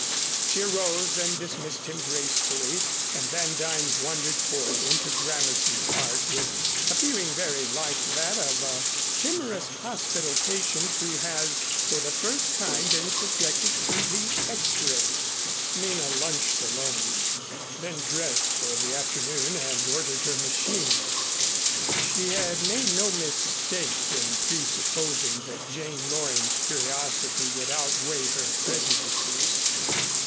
She arose and dismissed him gracefully, and Van Duyn wandered forth into Gramercy Park with a feeling very like that of a timorous hospital patient who has for the first time been subjected to the X ray. Nina lunched alone, then dressed for the afternoon and ordered her machine. She had made no mistake in presupposing that Jane Loring's curiosity would outweigh her prejudices.